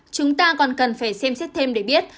chúng ta còn cần phải xem xét thêm để biết